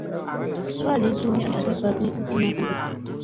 Falii tummii asi bassi u tiina ko mayɗa.